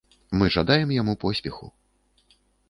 Мы жадаем яму поспеху.